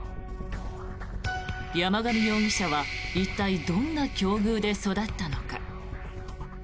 山上容疑者は一体どんな境遇で育ったのか。